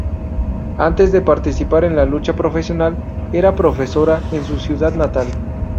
Antes de participar en la lucha profesional, era profesora en su ciudad natal.